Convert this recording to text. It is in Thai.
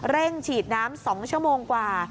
เร่งฉีดน้ำ๒ชั่วโมงกว่า